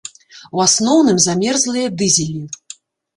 У асноўным замерзлыя дызелі.